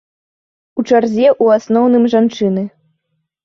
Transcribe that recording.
У чарзе ў асноўным жанчыны.